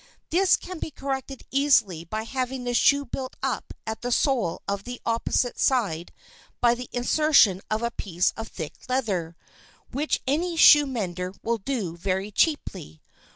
This can be corrected easily by having the shoe built up at the sole on the opposite side by the insertion of a piece of thick leather, which any shoe mender will do very cheaply.